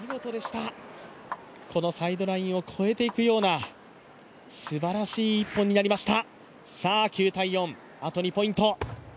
サイドラインを越えていくようなすばらしい一本になりました。